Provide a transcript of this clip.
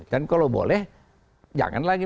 dan kalau boleh jangan lagi